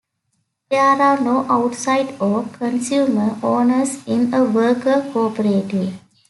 There are no outside- or consumer-owners in a worker co-operative.